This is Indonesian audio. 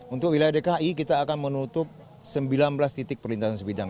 untuk wilayah dki kita akan menutup sembilan belas titik perlintasan sebidang